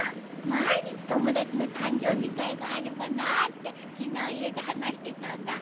毎日友達の誕生日会があればなって昨日家で話してたんだ。